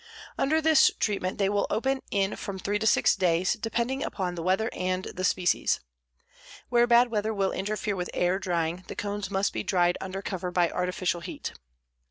Under this treatment they will open in from 3 to 6 days, depending upon the weather and the species. Where bad weather will interfere with air drying, the cones must be dried undercover by artificial heat.